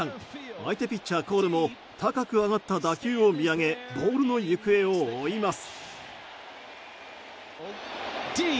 相手ピッチャー、コールも高く上がった打球を見上げボールの行方を追います。